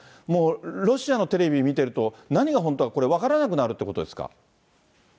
もうロシアのテレビ見てると何が本当だか、分からなくなるということですか。